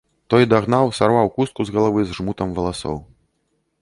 Той дагнаў, сарваў хустку з галавы з жмутам валасоў.